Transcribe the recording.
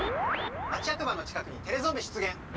町やく場の近くにテレゾンビ出げん！